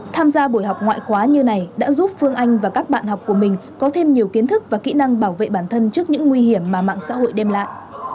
tham gia buổi học ngoại khóa như này đã giúp phương anh và các bạn học của mình có thêm nhiều kiến thức và kỹ năng bảo vệ bản thân trước những nguy hiểm mà mạng xã hội đem lại